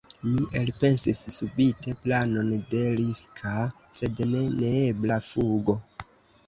Mi elpensis subite planon de riska, sed ne neebla fugo.